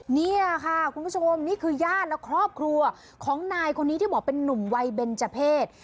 นี่ค่ะคุณผู้ชมนี่คือญาติและครอบครัวของนายคนนี้ที่บอกเป็นนุ่มวัยเบนเจอร์เพศ